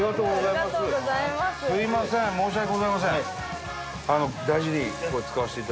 すいません申し訳ございません。